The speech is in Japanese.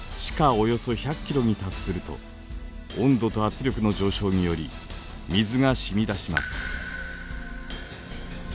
およそ１００ｋｍに達すると温度と圧力の上昇により水が染み出します。